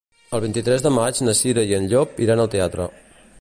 El vint-i-tres de maig na Cira i en Llop iran al teatre.